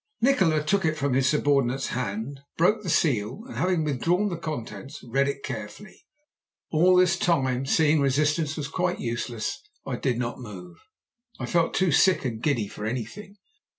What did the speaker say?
"Nikola took it from his subordinate's hand, broke the seal, and having withdrawn the contents, read it carefully. All this time, seeing resistance was quite useless, I did not move. I felt too sick and giddy for anything.